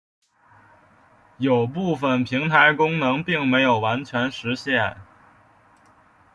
有部分平台功能并没有完全实现。